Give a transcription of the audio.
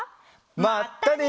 まったね！